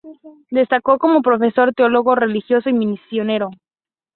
Destacó como profesor, teólogo, religioso y misionero.